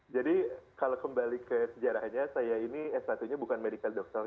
jadi kalau kembali ke sejarahnya saya ini s satu nya bukan medical doctor